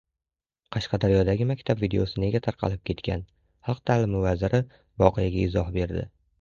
Qashqadaryodagi maktab videosi nega tarqalib ketgan? Xalq ta’limi vaziri voqeaga izoh berdi